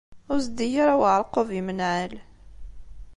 Ur zeddig ara uɛeṛqub n yimenɛal.